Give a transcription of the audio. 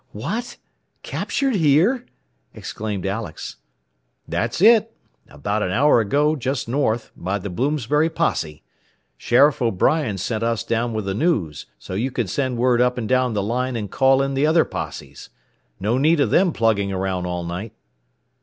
"What! Captured here?" exclaimed Alex. "That's it. About an hour ago, just north, by the Bloomsbury posse. Sheriff O'Brien sent us down with the news, so you could send word up and down the line and call in the other posses. No need of them plugging around all night."